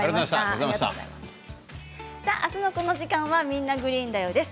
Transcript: あすのこの時間は「みんな！グリーンだよ」です。